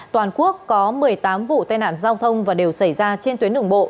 toàn quốc có một mươi tám vụ tai nạn giao thông và đều xảy ra trên tuyến đường bộ